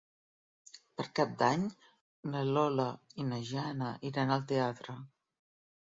Per Cap d'Any na Lola i na Jana iran al teatre.